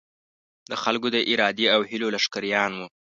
د خلکو د ارادې او هیلو لښکریان وو.